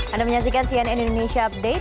anda menyaksikan cnn indonesia update